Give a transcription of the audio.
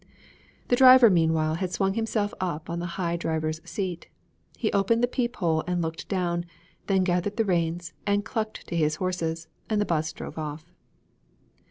The driver meanwhile had swung himself up on the high driver's seat. He opened the peep hole and looked down, then gathered the reins, and clucked to his horses, and the 'bus drove off.